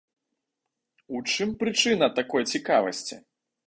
У чым прычына такой цікавасці?